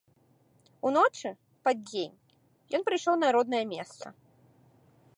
Уночы, пад дзень, ён прыйшоў на роднае месца.